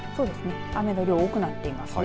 雨の量、多くなっていますね。